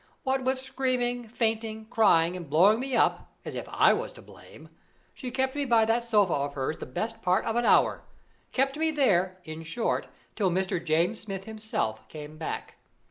What with screaming, fainting, crying, and blowing me up (as if I was to blame!), she kept me by that sofa of hers the best part of an hour kept me there, in short, till Mr. James Smith himself came back.